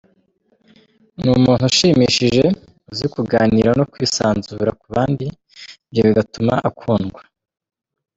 Ni umuntu ushimishije, uzi kuganira no kwisanzura ku bandi, ibyo bigatuma akundwa.